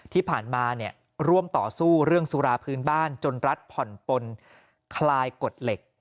ที่ผ่านมาร่วมต่อสู้เรื่องสุราพื้นบ้านจนรัฐผ่อนปนคลายกฎเหล็ก